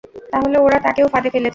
তাহলে, ওরা তাকেও ফাঁদে ফেলেছে।